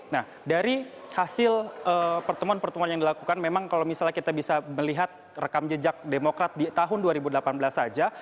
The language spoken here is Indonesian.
nah dari hasil pertemuan pertemuan yang dilakukan memang kalau misalnya kita bisa melihat rekam jejak demokrat di tahun dua ribu delapan belas saja